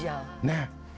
ねえ。